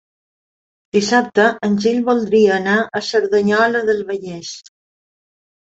Dissabte en Gil voldria anar a Cerdanyola del Vallès.